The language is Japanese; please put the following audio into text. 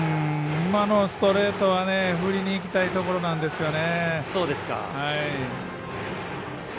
今のストレートは振りにいきたいところなんですね。